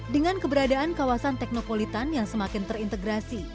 dengan keberadaan kawasan teknopolitan yang semakin terintegrasi